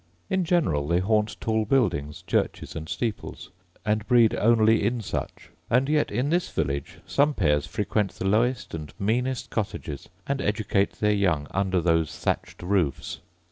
In general they haunt tall buildings, churches, and steeples, and breed only in such: yet in this village some pairs frequent the lowest and meanest cottages, and educate their young under those thatched roofs.